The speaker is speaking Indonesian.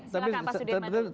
silahkan pak sudirman